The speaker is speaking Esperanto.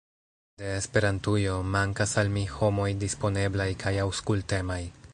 De Esperantujo, mankas al mi homoj disponeblaj kaj aŭskultemaj.